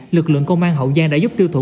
lực lượng công an hậu giang đã giúp tiêu thụ